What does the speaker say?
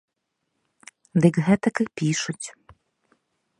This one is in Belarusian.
Дык гэтак і пішуць.